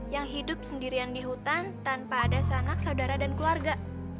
yang hidup sendirian di hutan tanpa ada sanak saudara dan keluarga